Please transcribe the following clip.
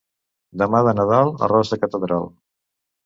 Demà de Nadal, arròs de catedral.